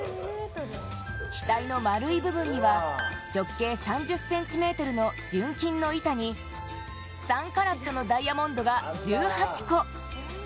額の丸い部分には直径３０ｃｍの純金の板に、３カラットのダイヤモンドが１８個。